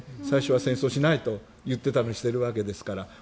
最初は戦争しないと言っていたのにしているわけですから。